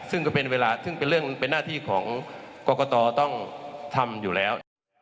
ซึ่งก็เป็นเวลาซึ่งเป็นเรื่องเป็นหน้าที่ของกรกตต้องทำอยู่แล้ว